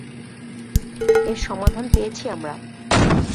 এর সমাধান পেয়েছি আমরা।